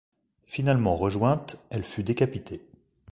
Finalement rejointe, elle fut décapitée.